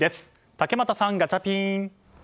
竹俣さん、ガチャピン！